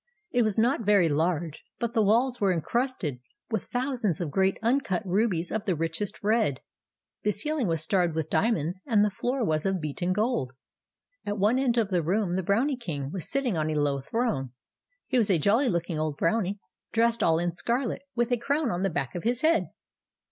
It was not very large ; but the walls were encrusted with thousands of great uncut rubies of the richest red, the ceiling was starred with diamonds, and the floor was of beaten gold. At one end of the room the Brownie King was sitting on a low throne. He was a jolly looking old Brownie, dressed THE BROWNIE JELLY 189 all in scarlet, with a crown on the back of his head.